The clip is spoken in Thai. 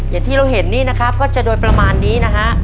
อย่างที่เราเห็นนี่นะครับก็จะโดยประมาณนี้นะฮะ